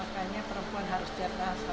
makanya perempuan harus cerdas